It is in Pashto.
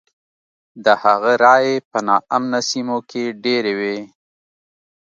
د هغه رایې په نا امنه سیمو کې ډېرې وې.